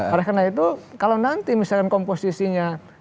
oleh karena itu kalau nanti misalkan komposisinya